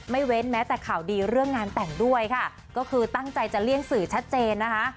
เว้นแม้แต่ข่าวดีเรื่องงานแต่งด้วยค่ะก็คือตั้งใจจะเลี่ยงสื่อชัดเจนนะคะ